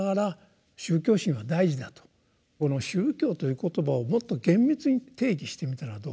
この「宗教」という言葉をもっと厳密に定義してみたらどうかと。